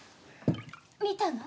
見たの？